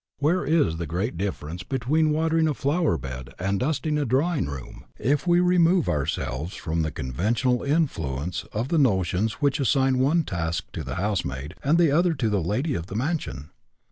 Where is the great difference be tween watering a flower bed and dusting a drawing room, if we remove ourselves from the conventional influence of the notions which assign one task to the housemaid and the other to the lady of the mansion